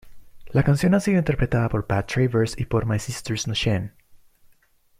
La canción ha sido interpretada por Pat Travers y por "My Sister’s Machine".